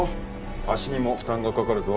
足にも負担がかかるぞ。